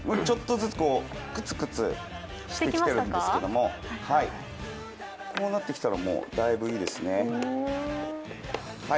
ちょっとずつクツクツしてきてるんですけれども、こうなってきたらだいぶ、いいですね。